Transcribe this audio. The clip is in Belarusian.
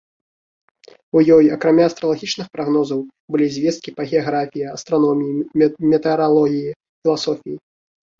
У ёй, акрамя астралагічных прагнозаў, былі звесткі па геаграфіі, астраноміі, метэаралогіі, філасофіі.